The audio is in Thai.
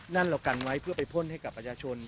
นั่นเรากันไว้เพื่อไปพ่นให้กับประชาชน